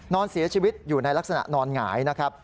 นอนเสียชีวิตอยู่ในลักษณะนอนหงายนะครับ